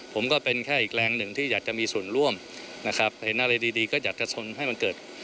ผมก็เป็นแค่อีกแรงหนึ่งที่อยากจะมีส่วนร่วมนะครับเห็นอะไรดีก็อยากจะทำให้มันเกิด